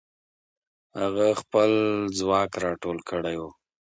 هغه خپل ځواک راټول کړی وو.